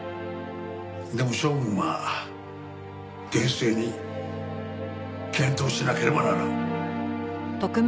でも処分は厳正に検討しなければならん。